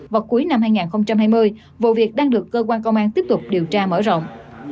vào cuối năm hai nghìn hai mươi vụ việc đang được cơ quan công an tiếp tục điều tra mở rộng